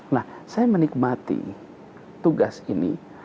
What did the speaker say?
nah saya menikmati tugas ini